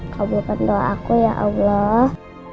kabulkan doaku ya allah